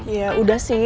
ya udah sih